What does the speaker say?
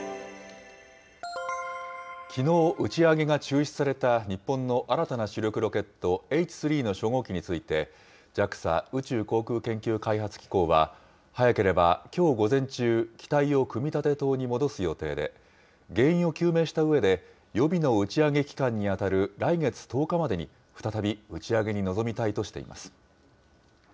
きのう打ち上げが中止された日本の新たな主力ロケット、Ｈ３の初号機について、ＪＡＸＡ・宇宙航空研究開発機構は、早ければきょう午前中、機体を組み立て棟に戻す予定で、原因を究明したうえで、予備の打ち上げ期間に当たる来月１０日までに、再び打ち上げに臨みたいとしています。